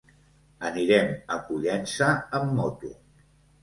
Anirem a Pollença amb moto.